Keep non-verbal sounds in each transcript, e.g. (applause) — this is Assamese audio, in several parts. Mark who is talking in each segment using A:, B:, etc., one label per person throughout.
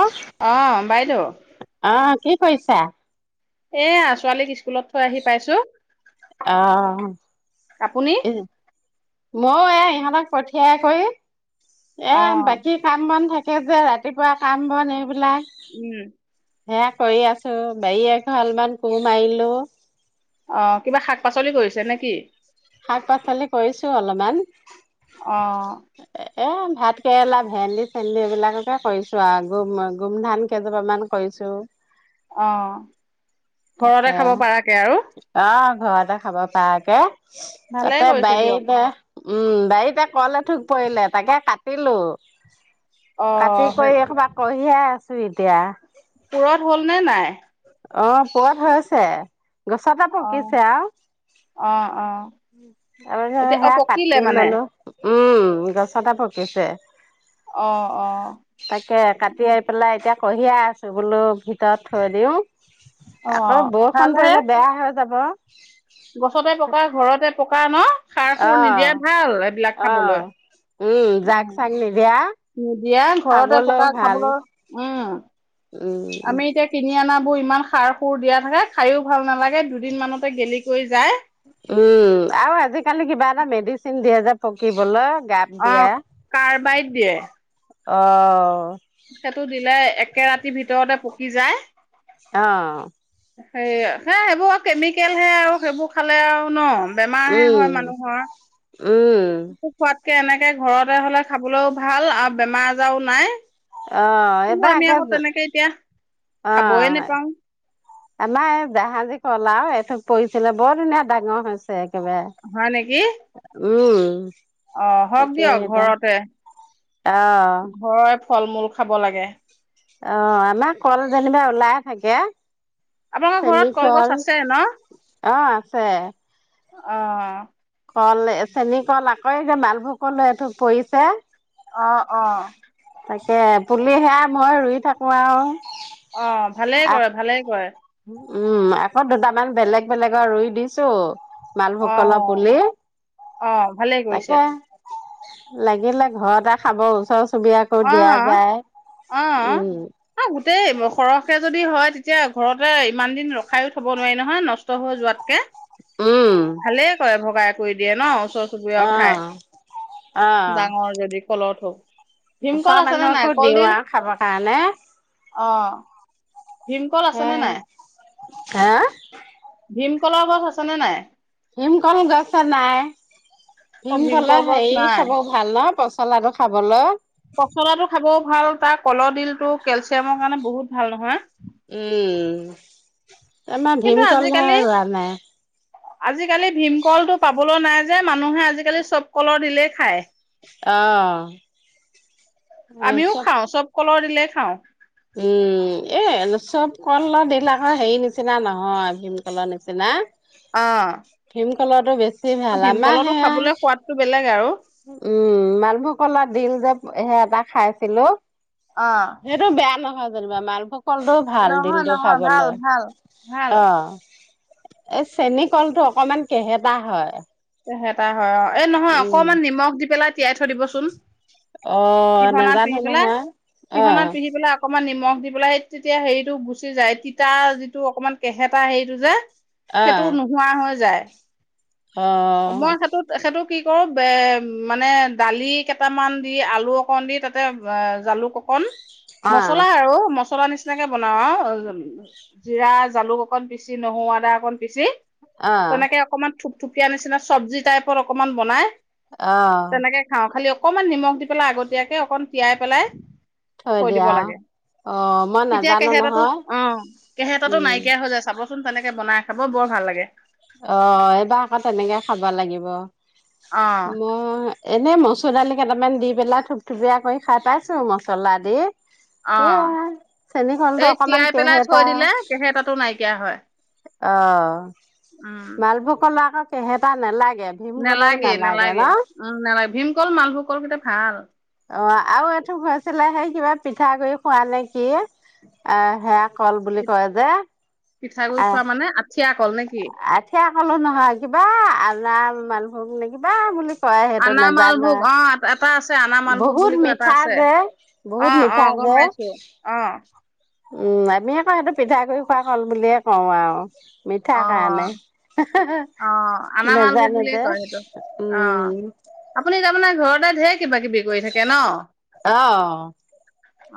A: অ
B: অ বাইদেউ
A: কি কৰিছা
B: এয়া ছোৱালী ইস্কু স্কুলত থৈ আহি পাইছো আপুনি
A: অ ময়ো এ ইহঁতক পঠিয়াই কৰি এ
B: অ',
A: বাকী কাম বন থাকে যে ৰাতিপুৱা কাম বন এইবিলাক
B: উম
A: সেয়া কৰি আছো বাৰী এফাল মান কোৰ মাৰিলো
B: অ কিবা শাক পাচলি কৰিছে নেকি
A: শাক পাচলি কৰিছোঁ অলপমান
B: অ
A: এই ভাত কেৰেলা ভেন্দি চেন্দি এইবিলাককে কৰিছোঁ আৰু গোম গোমধান কেইজোপামান কৰিছোঁ
B: অ ঘৰতে খাব পৰা কে আৰু
A: অ ঘৰতে খাব পাৰাকে
B: ভালে
A: তাতে
B: কৰিছে দিয়ক
A: বাইতে উম বাৰীতে কলে থোক পৰিলে তাকে কাটিলো কাটি
B: অ', সেই
A: কৰি এখোপা কিয়ে আছ (inaudible)
B: পুৰত হ'ল নে নাই
A: অ পুৰত হৈ আছে গছতে
B: অ',
A: পকিছে
B: অ', অ',
A: আৰু আৰু
B: এতিয়া
A: হে
B: অ', পকিলে
A: কাটতি
B: মানে
A: ললো উম গছতে পকিছে
B: অ', অ',
A: তাকে কাটি আহ পেলাই এতিয়া কঢ়িয়াই আছোঁ বোলো ভিতৰত থৈ দিওঁ আকৌ
B: অ',
A: বৰষুণ
B: ভালহে
A: পৰিলে বেয়া হৈ যাব
B: গছতে পকা ঘৰতে (unintelligible) সাৰ
A: অ
B: সুৰ নিদিয়ে ভাল এইবিলাক
A: অ
B: খাবলৈ
A: উম জাগ চাগ নিদিয়া
B: দিয়া ঘৰতে
A: খাবলৈও
B: পকা
A: ভাল
B: খাবলৈ উম
A: উম
B: আমি এতিয়া কিনি আনা বোৰ ইমান সাৰ সুৰ দিয়া থাকে খাইও ভাল নালাগে দুদিন মানতে গেলি কৰি যায়
A: উম আৰু আজিকালি কিবা এটা মেডিচিন দিয়ে যে পকিবলৈ গাপ
B: অ
A: দিয়ে
B: কাৰ্বাইত দিয়ে
A: অ
B: সেইটো দিলে একে ৰাতিৰ ভিতৰতে পকি যায়
A: অ
B: সেই হে সেইবোৰ আৰু কেমিকেল হে আৰু সেইবোৰ পঠালে আও ন বেমাৰহে হয়
A: উম
B: মানুহৰ
A: উম
B: (inaudible) এনেকে ঘৰতে হলে খাবলৈও ভাল আৰু বেমাৰ আজাৰও নাই
A: অ
B: কিন্তু
A: এইবাৰ
B: আমি
A: একে
B: আকৌ তেনেকে এতিয়া
A: অ
B: খাবয়ে নোপাও
A: আমাৰ এই জাহাজী কল আৰু এঠোক পৰিছিলে বৰ ধুনীয়া ডাঙৰ হৈছে একেবাৰে
B: হয় নেকি?
A: উম।
B: অ হওক
A: তাকে
B: দিয়ক
A: এতিয়া
B: ঘৰতে
A: অ
B: ঘৰত ফল মূল খাব লাগে।
A: অ', আমাৰ কল যেনিবা ওলাই থাকে।
B: আপোনালোকৰ ঘৰত কলগছ
A: চেনীকল
B: আছে ন
A: অ', আছে।
B: অ।
A: কল চেনী কল আকৌ যে মালভোগ কল এথোক পৰিছে।
B: অ', অ।
A: আছে পুলি সেয়া মই ৰুই থাকোঁ আৰু।
B: অ', ভালে কৰে ভালে কৰে।
A: উম, আকৌ দুটামান বেলেগ বেলেগৰ ৰুই দিছো। মালভোক কলৰ
B: অ',
A: পুলি
B: অ', ভালেই কৰিছে।
A: তাকে। লাগিলে ঘৰতে খাব ওচৰ চুবুৰীয়াকো
B: অ
A: দিয়া যায়।
B: অ
A: উম,
B: গোটেই সৰহ কে যদি হয় তেতিয়া ঘৰতে ইমান দিন ৰখায়ো থব নোৱাৰি নহয় নষ্ট হৈ যোৱাতকে
A: উম,
B: ভালেই কৰে ভগাই কৰি দিয়ে ন ওচৰ চুবুৰীয়াও খাই।
A: অ',
B: ডাঙৰ যদি কলত থ
A: ওচৰ মানুহকো দিওঁ আ খাবৰ কাৰণে।
B: অ। ভীমকল আছেনে নাই?
A: হেয়া?
B: ভীমকলৰ গছ আছেনে নাই?
A: ভীমকল গছত নাই
B: অ', ভীমকল
A: ভীমকলৰ
B: গছ
A: সেই
B: নাই।
A: খাব ভাল ন পচ হলাটো খাবলে
B: পচলাটো খাবও ভাল তাৰ কলৰ ডিলটো কেলচিয়ামৰ কাৰণে বহুত ভাল নহয়
A: উম আমাৰ ভীমকল হে ৰোৱা নাই
B: আজি আজি কালি ভীমকলটো পাব পাবলৈ নাই যে মানুহে আজিকালি চব কলৰ দিলেই খায়
A: আহ এই
B: আমিও
A: চব
B: খাওঁ কলৰ দিলেই খাওঁ
A: উম এ চব কল দিলাক হেৰি নিচিনা নহয় ভীমকললৰ নিচিনা
B: অহ
A: ভীমকলৰটো বেষ্ট বেছি ভাল আমাৰ
B: সোৱাদটো বেলেগ আৰু।
A: সেয়া উম মালভোগ কলাত দিল যাব। সে এবাৰ খাইছিলোঁ
B: অ',
A: সটো বেয়া নহয় যেনিবা মাল ভোগ কলটো ভাল দিল
B: নহয়
A: তো
B: নহয় ভাল
A: খাবলৈ
B: ভাল। ভাল
A: অ' এ চেনী কলটো অকমান কেহেতা হয়।
B: সে ত (unintelligible) হয় অ' এই নহয়
A: উম
B: অকমান নিমখ দি পেলাই তিয়াই থৈ দিবচোন।
A: অ'
B: পিহনাত
A: নাজানো নহয় আহ।
B: অকণমান নিমখ দি পেলাই সেই তেতিয়া হেৰিটো গুচি যায় তিতা যিটো অকমান কেহেেতটা হেৰিটো যে সেইটো নোহোৱা হৈ যায়।
A: আহ।
B: মই সেইটোত সেইটো কি কৰো ব মানে দালি কেইটামান দি আলু অকণ দি তাতে জালুক অকণ।
A: অ
B: মছলা
A: অ
B: আৰু মছ মচলা নিচিনাকে বনাওঁ আৰু জিৰা জালুক অকণ পিচি নহৰু আদা অকণ পিচি।
A: অ
B: তেনেকে অকমান (inaudible) (inaudible) এতিয়া নিচিনা চব্জি টাইপৰ অকণমান বনাই
A: অ
B: তেনেকে খাওঁ খালি (inaudible) অকমান নিমখ দি পেলাই আগতীয়াকে অকণ তিয়াই পেলাই। থৈ
A: দিয়া
B: দিব
A: আও।
B: লাগে
A: অ মই
B: তেতিয়া
A: নাজানো
B: কেহতো
A: নহয়
B: অ কেহেতো
A: উম
B: নাইকিয়া হৈ যায় চাবচোন। তেনেকে বনাই খাব বৰ ভাল লাগে।
A: অ' এইবাৰ আকৌ তেনেকে খাব লাগিব।
B: অ
A: মই এনে ম (inaudible) চণালী কেইটামান দি পেলাই থুপথুপীয়া কৰি খাই পাইছো মচলা দি। সেয়া
B: অ'
A: চেনীকলটো
B: এই
A: অকমান
B: তিয়াই পেলাই
A: কেহেতা
B: থৈ দিলে কেহেতাতো নাইকিয়া (inaudible) হয়।
A: অ' মালভোগ কলা আক কেহেতা নালাগে। ভীমকলও
B: নালাগে
A: ন
B: নালাগে উম নালাগে ভীম (inaudible) (inaudible) কল মালভোগ কলকেইটা ভাল।
A: অ' আৰু এইটো কৈছিলে সেই কিবা পিঠাগুড় খোৱা নে কি অ' সেয়া কল বুলি
B: পি-
A: কয় যে।
B: পিঠাগুৰি
A: আহ
B: খোৱা মানে আঠ।
A: আঠিয়া কলো নহয় কিবা। মালভোগ নে কিবা বুলি। কয় সেইটো
B: আনা
A: নাজানো
B: মালভোগ অ এটা আছে। আনা মালভোগ
A: বহুত
B: বুলি কয় এটা
A: মিঠা
B: আছে।
A: যে
B: অ
A: বহুত
B: অ
A: মিঠা
B: গম
A: যে
B: পাইছো অ।
A: উম আমিয়ে কওঁ সেইটো পিঠাগুড়ি খোৱা কল বুলিয়ে কওঁ আৰু। মিঠা
B: অ
A: কাৰণে।
B: অ আনামালভোগ
A: নাজানো
B: বুলিয়ে
A: যে
B: কয় সেইটো অ
A: উম
B: আপুনি। ঘৰতে দেৰি।
A: অ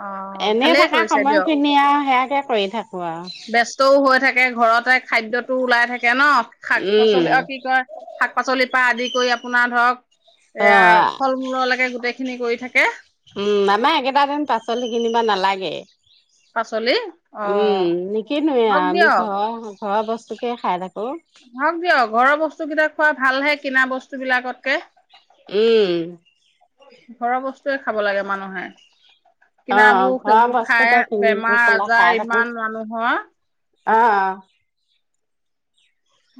B: অ
A: এনে
B: ভালেই
A: থকা
B: কৰিছে দিয়ক
A: সময়খিনি আৰু সেয়াকে কৰি থাকো আৰু।
B: তাকে ঘৰতে খাদ্যয়তো ওলাই থাকে ন। শাক
A: উম,
B: পাচলি আৰু কি কয় শাক পাচলিৰ পৰা আদি। কৰি আপোনাৰ ধৰক। এয়া
A: অ',
B: ফল মূললৈকে গোটেই। খিনি কৰি থাকে।
A: লাগে।
B: পাচলি অ
A: উম নিকিনুৱে
B: হওক
A: আমি। ঘৰৰ বস্তুকে খাই থাক।
B: ভক দিয় ঘৰৰ বস্তু। বস্তু কেইটা খোৱা ভাল হে কিনা বস্তুবলাকতকে।
A: উম।
B: য়ে খাব লাগে মানুহে।
A: অ',
B: কিনাবোৰ
A: ঘৰৰ
B: সেইবোৰ খাই
A: বস্তুকে কিনি গৈ
B: বেমাৰ আজাৰ ইমান মানুহৰ।
A: অ'হ।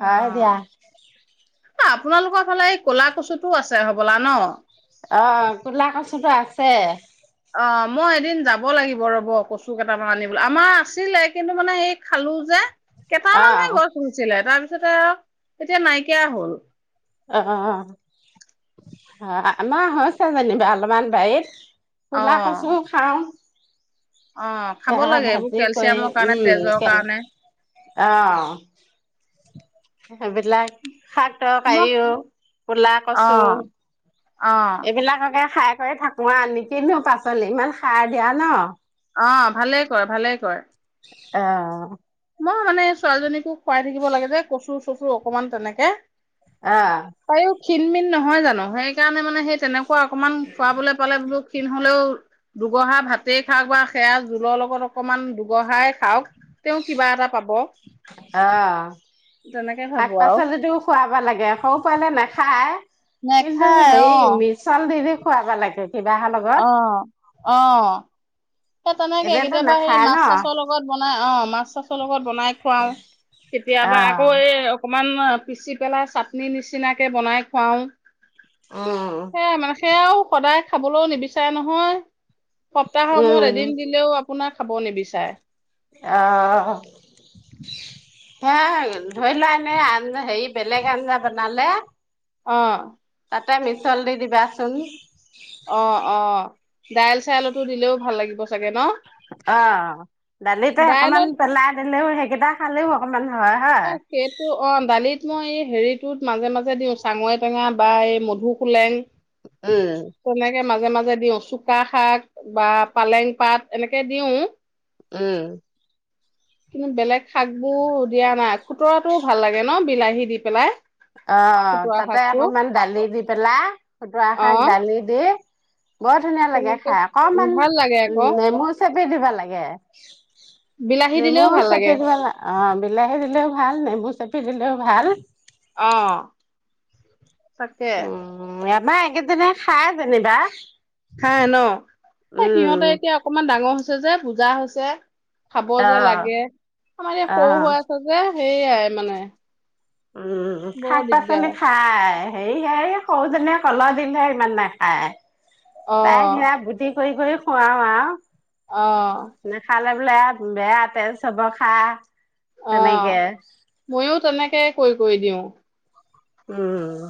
B: অ'হ আপোনালোকৰ ফালে এই ক'লা কচুটো আছে হবলা ন।
A: অ কোলা কচুটো আছে।
B: অ মই এদিন যাব লাগিব। ৰ'ব কচু কেইটামান আনিবলৈ আমাৰ আছিলে কিন্তু মানে এই খালো। যে
A: অ',
B: কেইটামানহে
A: অ',
B: গছ ৰুইছিলে তাৰ পিছত। তছতে আৰু এতিয়া নাইকিয়া হ'ল।
A: অ অ আমাৰ হৈছে যেনিবা অলপমান বাৰীত।
B: অ
A: কোলা কছো খাওঁ।
B: অ খাব
A: সেয়া
B: লাগে এইবোৰ
A: ভাজি কৰি
B: কেলচিয়ামৰ কাৰণে তেজৰ
A: উম,
B: কাৰণে।
A: আবিল হট।
B: মই
A: পও কলা কচু
B: অ', অ',
A: এইবিলাককে খাই। থাকোৱা আ নিকিনো পাচলি ইমান সাৰ দিয়া ন
B: অ' ভালে কৰে ভালে কৰে।
A: অ'।
B: মই মানে ছোৱালীজনীকো পাই থাকিব লাগে যে কচু চফু অকমান তেনেকে
A: আহ।
B: ক্ষণমিন নহয় জানো সেইকাৰণে মানে সেই তেনেক অকণমান খোৱাবলৈ পালে বোলো ক্ষীণ হলেও দুগহা ভাতেই খাওক বা সেয়া জোলৰ লগত অকমান দুগহাই খাওক তেওঁ কিবা এটা পাব।
A: আহ।
B: তেনেকে
A: শাক
B: ভাবো আৰু।
A: পাচলিতোও খুৱাবা লাগে সৰু পোৱালে নাখ হা কিল দে
B: নেখায়
A: হেই মিচাল দ দে খুৱাবা লাগে কিবাহৰ লগত
B: আহ আহ। সেই তেনেকে
A: এনেতো
B: কেতিয়াবা সেই
A: নাখায় ন
B: মাছ চাছৰ লগত বনাই অ' মাছ চাছ (inaudible) লগত বনাই খুৱাও
A: অ
B: কেতিয়াবা আকৌ এই অকণমান পিচি পেলাই চাটনি নিচিনাকৈ বনাই খুৱাওঁ।
A: উম
B: সেয়া মানে সেয়াও সদায় খাবলৈও নিবিচাৰে নহয় সপ্তাহৰ অসমত
A: উম
B: এদিন দিলেও আপোনাক খাব নিবিচাৰে।
A: আহ। হে ধৰি লোৱা এনে আঞ্জা হেৰি বেলেগ আঞ্জা বনালে
B: অ'।
A: তাটা মিছল দি দিবাচোন
B: অ অ দাইল চাইলতো দিলেও ভাল লাগিব চাগে ন?
A: অ' দালিতে অকমান
B: দাইলত
A: পেলাই সেইকেইটা খালেও অকণমান
B: অ' সেইটো অ' দালিত। মই এই হেৰিটোত মাজে মাজে দিওঁ চাঙৰি টেঙা বা এই মধুসোলেং
A: উম,
B: তনোকে মাজে মাজে দিও চুকা শাক বা পালেং পাত এনেকে দিওঁ
A: উম
B: কিন্তু বেলেগ শাক বোৰ দিয়া নাই খুতৰাটোও ভাল লাগে ন বিলাহী দি পেলাই
A: অ
B: খুতৰা
A: তাতে
B: শাকটো
A: অকমান দালি দি পেলাই খুতৰা
B: অ
A: শাক দালি দি বৰ ধুনীয়া লাগে
B: তেনেকে
A: খাই
B: উ
A: অকণমান
B: ভাল লাগে
A: উম
B: আকৌ
A: নেমু চ পিন্ধিবা লাগে
B: বিলাহী দিলেও
A: নেমুও
B: ভাল লাগে
A: চেপি দিবাল অ বিলাহী দিলেও ভাল নেমু চেপি দিলেও ভাল
B: অ তাকে
A: েইজনে খাই যেনিবা
B: হা ন এ
A: উম,
B: সিহঁতে এতিয়া অকনমান ডাঙৰ যে পূজা হৈছে খাব যে
A: অ',
B: লাগে আমাৰ ই সৰু
A: অ'।
B: হৈ আছে যে সেইয়াই মানে
A: উম
B: বৰ
A: শাক পাচলি
B: দিগদাৰ
A: খাই সে হ সৰুজনে কলহ দিলে ইমান নাখায়
B: অ
A: তাই সেৰা বুদ্ধি হৈ গ খুৱাও আ
B: অ
A: বলে বেয়া তেল চব খা
B: অ
A: তেনেকে
B: মইয়ো তেনেকে কৰিৈ কৰি দিওঁ অ
A: উম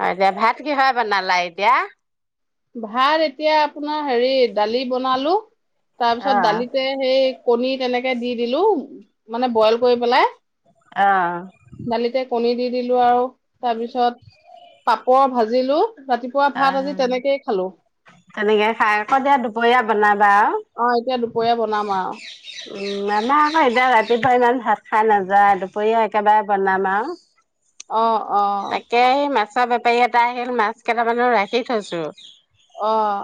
A: অ এতিয়া ভাত কি হয় বনালা এতিয়া
B: ভাত এতিয়া আপোনাৰ হেৰি দালি বনালো তাৰপিছত
A: অ
B: দালিতে সেই কণী তেনেকে দি দিলো মানে বইল কৰি পেলাই
A: অঁ
B: দালিতে কণী দি দিলোঁ আৰু তাৰপিছত পাপৰ ভাজিলোঁ
A: অ তেনেকে খাই আকৌ দিয়া দুপৰীয়া বনাবা আৰু
B: অ এতিয়া দুপৰীয়া বনাম আৰু
A: উ আম আকৌ এতিয়া ৰাতি ধ ইমান ভাত খাই নাযায় দুপৰীয়া একেবাৰে বনাম আৰু
B: অ অ
A: তাকে আহি মাছ বেপাৰী এটা আহিল মাছ কেইটামানো ৰাখি থৈছো
B: আহ।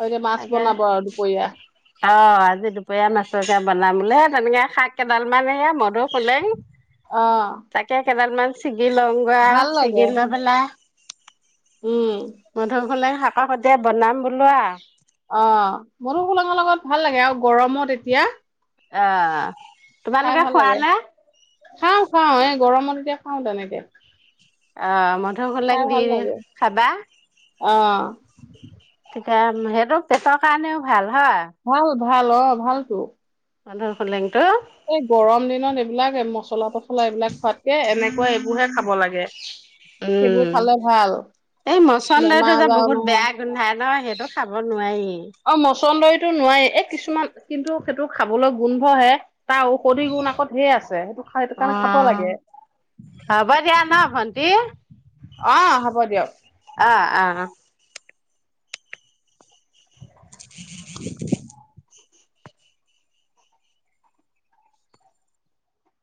B: আৰু এতিয়া মাছ
A: তাকে
B: বনাব আৰু দুপৰীয়া
A: অ' আজি দুপৰীয়া মাছকীয়া বনাম বোলেহে তেনেকে শাক কেইডাল মান সে মধুসোলেং।
B: অ
A: তাকে (unintelligible) কি লং
B: ভাল লাগে
A: চেগধ পেল
B: উম
A: মধ শাক খতি বনাম বোলো আৰু
B: অ' মনুসোলাঙৰ লগত ভাল লাগে আৰু গৰমত এতিয়া।
A: আহ।
B: খাই
A: তোমালোকে
B: ভাল
A: খোৱা
B: লাগে
A: নে
B: খাওঁ খাও এ গৰমত। দেখাও তেনেকে
A: অ' ম মধূসোলেং
B: খাই
A: দি
B: ভাল লাগে
A: খাবা।
B: অ
A: স সেইটো পেটৰ কাৰণেও ভাল। হা
B: ভাল ভাল অ' ভালতো।
A: মধুসোলেংটো
B: এই গৰম দিনত এইবিলাক মচলা তছলা এইবিলাক খোৱাতকে এনেকুৱা এইবোৰহে খাব লাগে। সেইবোৰ খালে ভাল
A: উম এই
B: বেমাৰ
A: মচন্দিৰিতটো যে
B: আজাৰো
A: বহুত
B: নহয়
A: বেয়া গোন্ধাই ন সেই টো খাব নোৱাৰি
B: অ' মছন্দৰীতো নোৱাৰি এ কিছুমান কিন্তু সেইটো খাবলৈ গোন্ধহে তাৰ ঔষধি গুণ আক ঢেৰ আছে সেইটো সেইটো
A: অ
B: কাৰণে খাব লাগে।
A: হ'ব দিয়া ন ভন্টি
B: আহ হব
A: অ
B: দিয়ক।
A: অ'। (inaudible)